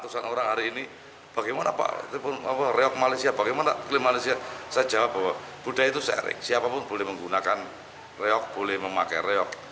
sehingga kan reok boleh memakai reok